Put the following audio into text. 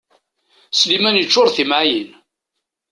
Sliman yeččur d timɛayin.